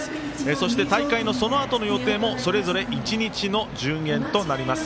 そして、大会のそのあとの予定もそれぞれ、１日の順延となります。